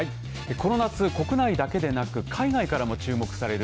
この夏、国内だけでなく海外からも注目される